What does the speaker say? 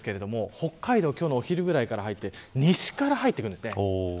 まだ暖気ゾーンですが北海道、今日のお昼ぐらいから入って、西から入ってきます。